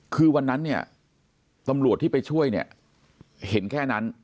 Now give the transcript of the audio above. คือวันนั้นเนี่ยตำรวจที่ไปช่วยเนี่ยเห็นแค่นั้น